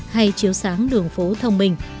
hay chiếu sáng đường phố thông minh